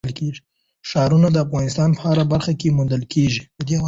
ښارونه د افغانستان په هره برخه کې موندل کېږي.